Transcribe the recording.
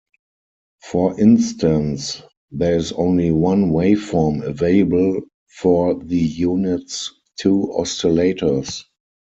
For instance, there is only one waveform available for the unit's two oscillators.